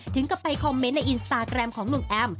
ถึงกลับไปคอมเมนต์ในอินสตาแกรมของหนุ่มแอม